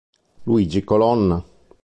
Luigi Colonna